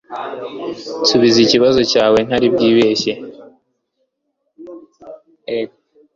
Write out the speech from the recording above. nsubiza ikibazo cyawe ntari bwibeshye